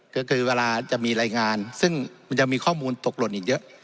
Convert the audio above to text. ก็คือเวลาจะมีรายงานซึ่งมันยังมีข้อมูลตกหล่นอีกเยอะ